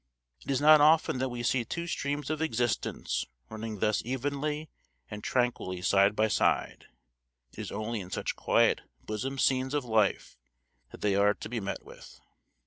It is not often that we see two streams of existence running thus evenly and tranquilly side by side; it is only in such quiet "bosom scenes" of life that they are to be met with.